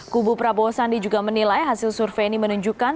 kubu prabowo sandi juga menilai hasil survei ini menunjukkan